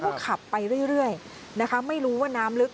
เขาก็ขับไปเรื่อยไม่รู้ว่าน้ำลึก